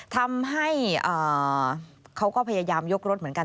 ทำให้เขาก็พยายามยกรถเหมือนกัน